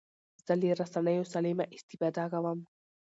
زه له رسنیو سالمه استفاده کوم.